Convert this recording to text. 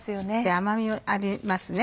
甘みもありますね。